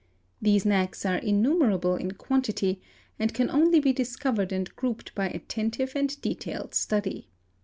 These | knacks are innumerable in quantity and can only be discovered and grouped by attentive and detailed study.